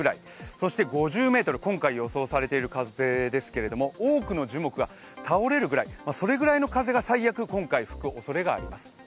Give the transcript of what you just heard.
そして５０メートル、今回予想されている風ですけど、多くの樹木が倒れるぐらいの風が最悪、今回、吹くおそれがあります。